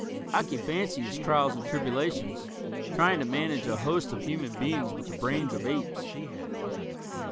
I can fancy his trials and tribulations, trying to manage a host of human beings with the brains of apes.